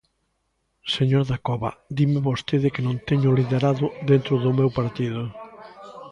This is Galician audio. Señor Dacova, dime vostede que non teño o liderado dentro do meu partido.